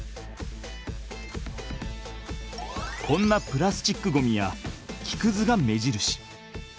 こんなプラスチックごみや木くずが目印。